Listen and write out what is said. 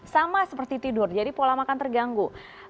sama seperti tidur jadi pola makan terganggu